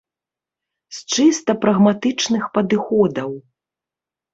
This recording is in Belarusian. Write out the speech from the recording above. З чыста прагматычных падыходаў.